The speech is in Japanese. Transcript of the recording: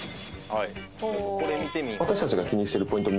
私たちが気にしているポイント